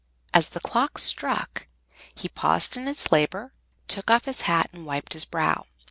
As the clock struck, he paused in his labor, took off his hat, and wiped his brow.